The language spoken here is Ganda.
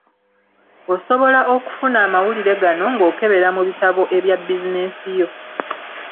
Osobola okufuna amawulire gano ng’okebera mu bitabo ebya bizinensi yo.